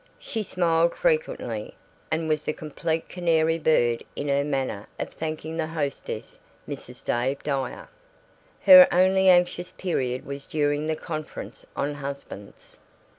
She smiled frequently, and was the complete canary bird in her manner of thanking the hostess, Mrs. Dave Dyer. Her only anxious period was during the conference on husbands.